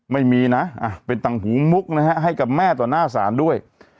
ไม่มีนะเป็นตังหูมุกนะฮะให้กับแม่ต่อหน้าศาลด้วย